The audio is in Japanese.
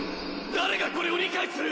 誰がこれを理解する！